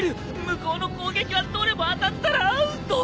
向こうの攻撃はどれも当たったらアウト！